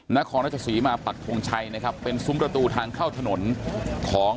นครราชสีมาปักทงชัยนะครับเป็นซุ้มประตูทางเข้าถนนของ